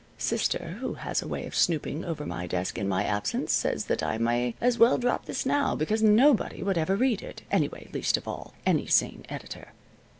(Sister, who has a way of snooping over my desk in my absence, says that I may as well drop this now, because nobody would ever read it, anyway, least of all any sane editor.